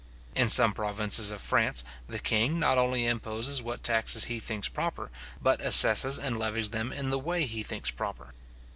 In some provinces of France, the king not only imposes what taxes he thinks proper, but assesses and levies them in the way he thinks proper.